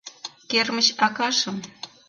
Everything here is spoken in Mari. Кермыч акашым.